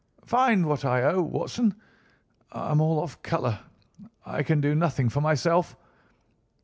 Find what I owe, Watson. I am all off colour. I can do nothing for myself."